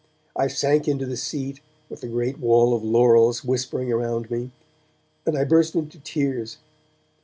I sank into the seat, with the great wall of laurels whispering around me, and I burst into tears.